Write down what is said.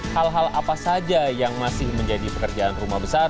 hal hal apa saja yang masih menjadi pekerjaan rumah besar